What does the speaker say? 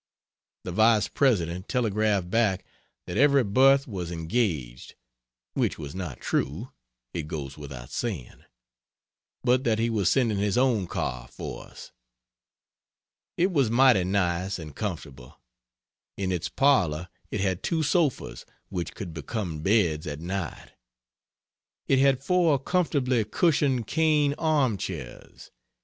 The Vice President telegraphed back that every berth was engaged (which was not true it goes without saying) but that he was sending his own car for us. It was mighty nice and comfortable. In its parlor it had two sofas, which could become beds at night. It had four comfortably cushioned cane arm chairs.